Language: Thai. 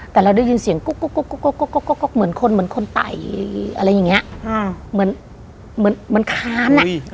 แต่เราได้ยินเสียงก๊อกเหมือนคนไตอะไรอย่างเงี้ย